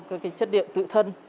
các cái chất điện tự thân